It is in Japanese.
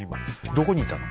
どこにいたの？